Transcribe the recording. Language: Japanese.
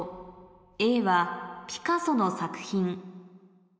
「Ａはピカソの作品」